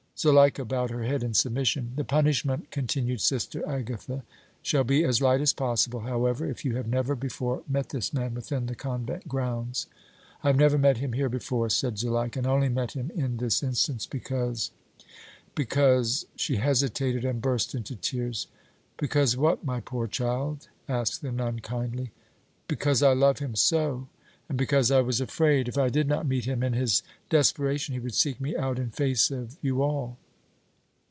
Zuleika bowed her head in submission. "The punishment," continued Sister Agatha, "shall be as light as possible, however, if you have never before met this man within the convent grounds." "I have never met him here before," said Zuleika, "and I only met him in this instance because because " She hesitated and burst into tears. "Because what, my poor child?" asked the nun, kindly. "Because I love him so, and because I was afraid, if I did not meet him, in his desperation he would seek me out in face of you all!"